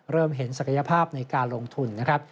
เริ่มเห็นศักยภาพในการลงทุนนะครับ